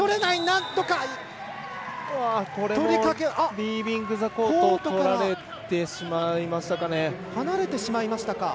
リービングザコートをとられてしまいましたか。